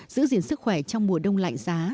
giữ gìn sức khỏe trong mùa đông lạnh giá